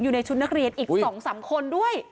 อยู่ในชุดนักเรียนอีก๒๓คนด้วย